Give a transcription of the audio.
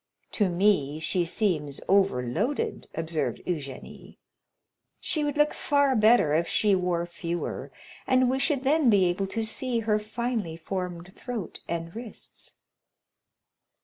"To me she seems overloaded," observed Eugénie; "she would look far better if she wore fewer, and we should then be able to see her finely formed throat and wrists."